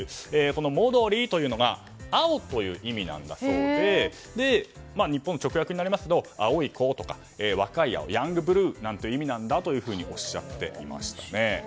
モドリというのが青という意味なんだそうで日本語の直訳になりますが青い子とかヤングブルーなんていう意味なんだとおっしゃっていました。